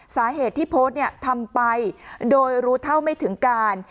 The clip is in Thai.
สาเหตุที่โพสต์ทำไปโดยรู้เท่าไม่ถึงการ